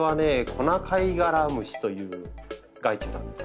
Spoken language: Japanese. コナカイガラムシという害虫なんですよ。